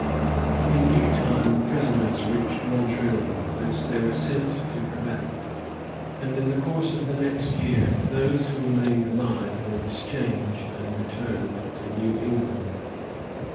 ] In due time the prisoners reached Montreal, whence they were sent to Quebec; and in the course of the next year those who remained alive were exchanged and returned to New England.